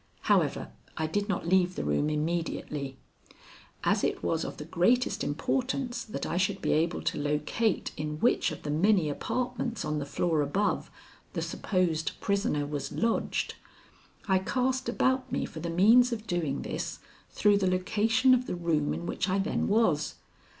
However, I did not leave the room immediately. As it was of the greatest importance that I should be able to locate in which of the many apartments on the floor above, the supposed prisoner was lodged, I cast about me for the means of doing this through the location of the room in which I then was.